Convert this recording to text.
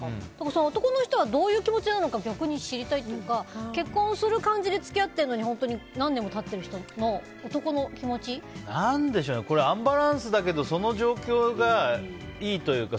その男の人はどういう気持ちなのか逆に知りたいというか結婚する感じで付き合ってるのに本当に何年も経っているこれ、アンバランスだけどその状況がいいというか